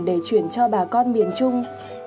để chuyển cho bà con miền trung